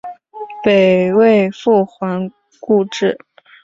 北魏复还故治。